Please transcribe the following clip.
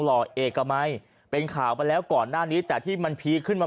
ห่อเอกมัยเป็นข่าวไปแล้วก่อนหน้านี้แต่ที่มันพีคขึ้นมา